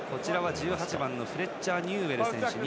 １８番のフレッチャー・ニューウェル選手